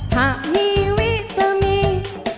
ถ้ามีวิธีมี